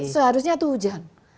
seharusnya itu hujan